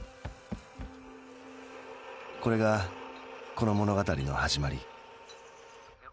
これがこの物語のはじまり。